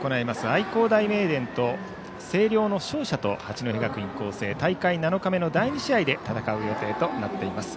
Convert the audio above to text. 愛工大名電と星稜の勝者と八戸学院光星は大会７日目の第２試合で戦う予定となっています。